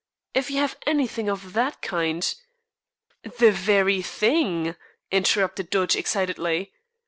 If you have anything of that kind " "The very thing," interrupted Dodge excitedly.